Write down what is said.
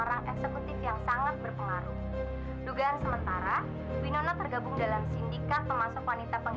anak perempuan saya jadi korban